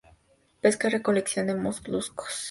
Pesca, recolección de moluscos y agricultura.